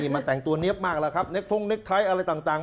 มันแต่งตัวเนี๊ยบมากแล้วครับ